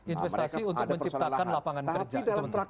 investasi untuk menciptakan lapangan kerja